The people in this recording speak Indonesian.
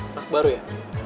anak baru ya